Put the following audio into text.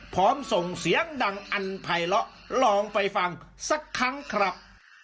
ส่งเสียงดังอันภัยเลาะลองไปฟังสักครั้งครับ